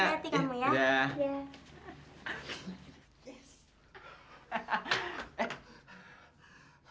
enak lama lama antara orang rumah ya